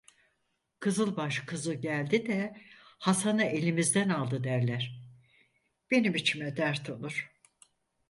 Kızılbaş kızı geldi de Hasan'ı elimizden aldı derler, benim içime dert olur…